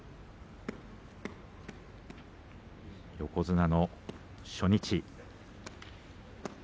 横綱の初日。